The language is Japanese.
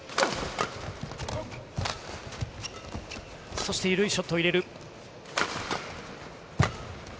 そして緩いショットを入れる。